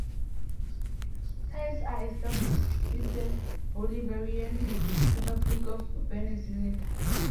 Ties are established with the Bolivarian Republic of Venezuela.